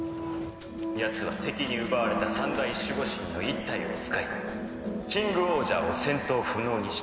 「やつは敵に奪われた三大守護神の１体を使いキングオージャーを戦闘不能にした」